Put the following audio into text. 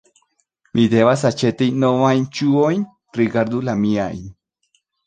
Mi devas aĉeti novajn ŝuojn; rigardu la miajn.